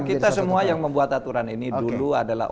kita semua yang membuat aturan ini dulu adalah